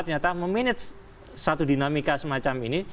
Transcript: ternyata memanage satu dinamika semacam ini